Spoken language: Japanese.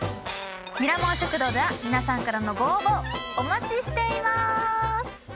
ミラモン食堂では皆さんからのご応募お待ちしています。